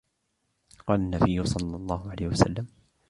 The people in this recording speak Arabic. قَالَ النَّبِيُّ صَلَّى اللَّهُ عَلَيْهِ وَسَلَّمَ